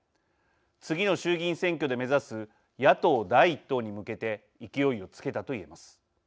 次の衆議院選挙で目指す野党第一党に向けて勢いをつけたと言えます。